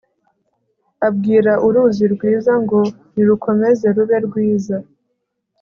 Abwira uruzi rwiza ngo nirukomeze rube rwiza